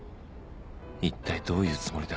一体どういうつもりだ？